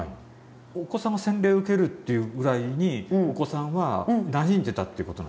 お子さんが洗礼を受けるっていうぐらいにお子さんはなじんでたっていうことなんですか？